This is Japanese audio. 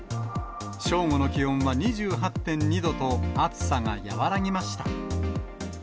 正午の気温は２８．２度と、暑さが和らぎました。